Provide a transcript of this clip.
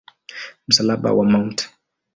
Msalaba wa Mt.